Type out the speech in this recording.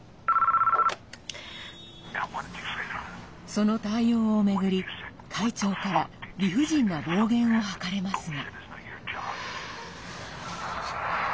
その対応を巡り会長から理不尽な暴言を吐かれますが。